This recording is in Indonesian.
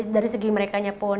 dari segi merekanya pun